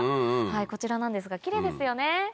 こちらなんですがキレイですよね。